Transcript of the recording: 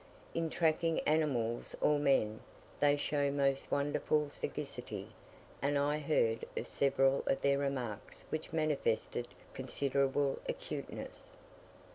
In tracking animals or men they show most wonderful sagacity; and I heard of several of their remarks which manifested considerable acuteness.